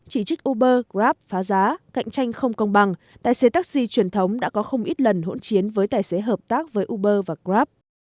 chỉ trích uber grab phá giá cạnh tranh không công bằng tài xế taxi truyền thống đã có không ít lần hỗn chiến với tài xế hợp tác với uber và grab